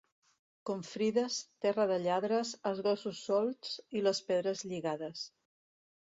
Confrides, terra de lladres, els gossos solts i les pedres lligades.